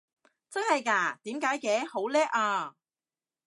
真係嘎？點解嘅？好叻啊！